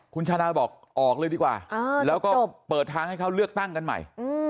คุณชาดาบอกออกเลยดีกว่าแล้วก็เปิดทางให้เขาเลือกตั้งกันใหม่